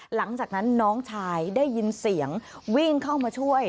หลังจากนั้นน้องชายได้ยินเสียงวิ่งเข้ามาช่วย